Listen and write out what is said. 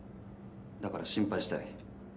だから心配したい。